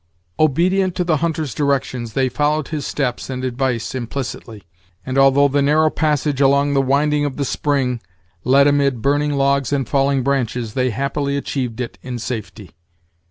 Obedient to the hunter's directions, they followed his steps and advice implicitly; and, although the narrow pas sage along the winding of the spring led amid burning logs and falling branches, they happily achieved it in safety.